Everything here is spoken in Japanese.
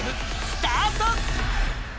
スタート！